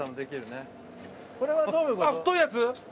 あっ太いやつ？